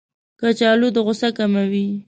کچالو د غوسه کموي